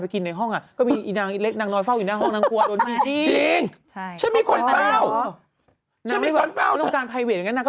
ไปลงไหนนั้นก็ต้องเอาคนไปเฝ้า